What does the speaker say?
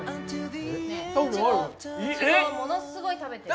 いちごものすごい食べてる。